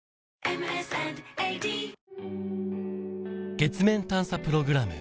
月面探査プログラム